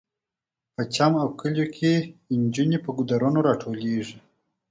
په چم او کلیو کې جلکیانې په ګودرونو راټولیږي